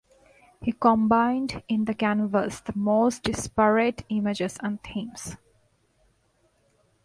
He combined in the canvas the most disparate images and themes.